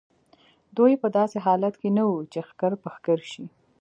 دوی په داسې حالت کې نه وو چې ښکر په ښکر شي.